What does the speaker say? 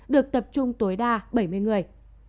được tập trung tối đa bảy mươi người